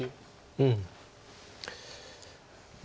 うん。